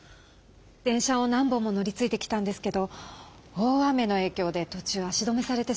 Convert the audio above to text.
電車を何本も乗りついで来たんですけど大雨のえいきょうでとちゅう足止めされてしまって。